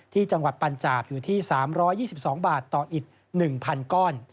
จังหวัดปัญจาบอยู่ที่๓๒๒บาทต่ออีก๑๐๐ก้อน